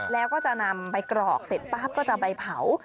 แล้วก็จะนำไปกรอกเสร็จปั๊บก็จะไปเผา